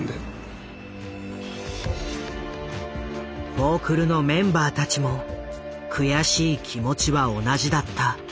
フォークルのメンバーたちも悔しい気持ちは同じだった。